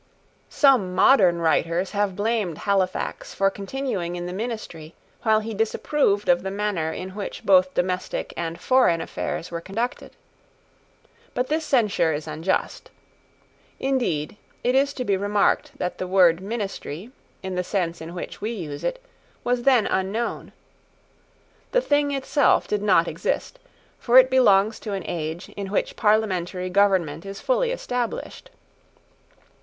Some modern writers have blamed Halifax for continuing in the ministry while he disapproved of the manner in which both domestic and foreign affairs were conducted. But this censure is unjust. Indeed it is to be remarked that the word ministry, in the sense in which we use it, was then unknown. The thing itself did not exist; for it belongs to an age in which parliamentary government is fully established.